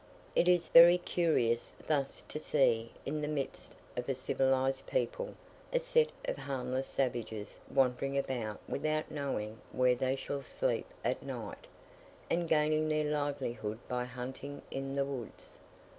It is very curious thus to see in the midst of a civilized people, a set of harmless savages wandering about without knowing where they shall sleep at night, and gaining their livelihood by hunting in the woods.